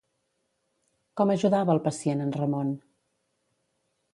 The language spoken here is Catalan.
Com ajudava al pacient en Ramon?